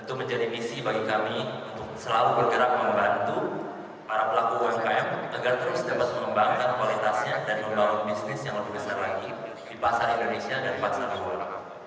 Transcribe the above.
itu menjadi misi bagi kami untuk selalu bergerak membantu para pelaku umkm agar terus dapat mengembangkan kualitasnya dan membangun bisnis yang lebih besar lagi di pasar indonesia dan pasar global